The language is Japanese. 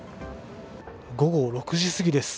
午後６時すぎです。